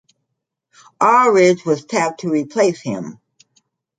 Aldridge was tapped to replace him.